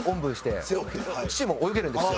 父も泳げるんですよ。